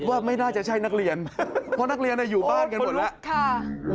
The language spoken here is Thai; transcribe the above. เพราะนักเรียนอยู่บ้านกันหมดแล้ว